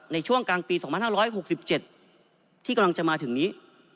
ในช่วงกลางปี๒๕๖๗ที่กำลังจะมาถึงนี้